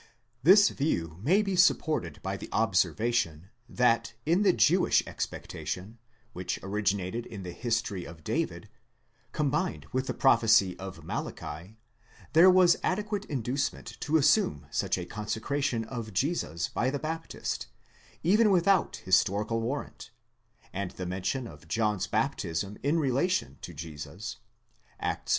This view may be sup ported by the observation, that in the Jewish expectation, which originated in the history of David, combined with the prophecy of Malachi, there was adequate inducement to assume such a consecration of Jesus by the Baptist, even without historical warrant; and the mention of John's baptism in rela tion to Jesus (Acts i.